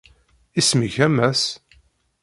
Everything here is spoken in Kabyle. Isem-ik, a Mass?